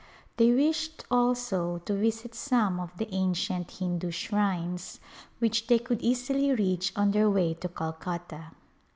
They wished also to visit some of the ancient Hindu shrines which they could easily reach on their way to Calcutta.